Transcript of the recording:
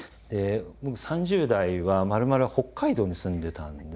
僕３０代はまるまる北海道に住んでたんですね。